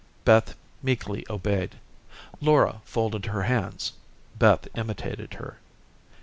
Beth meekly obeyed. Laura folded her hands. Beth imitated her.